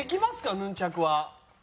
ヌンチャクは。